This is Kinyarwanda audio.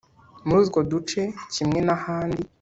Muri utwo duce kimwe n’ahandi